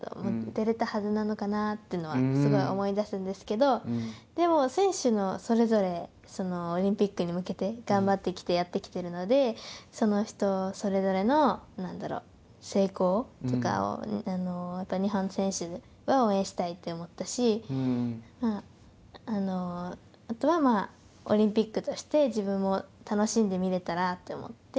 出られたはずなのかなってすごい思い出すんですけどでも、選手それぞれオリンピックに向けて頑張ってやってきているのでその人それぞれの何だろう成功とかを日本選手は応援したいと思ったしあとはオリンピックとして強いっすね。